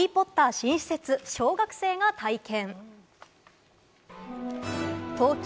新施設、小学生が体験。